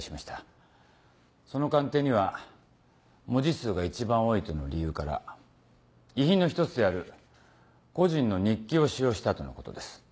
その鑑定には文字数が一番多いとの理由から遺品の一つである故人の日記を使用したとのことです。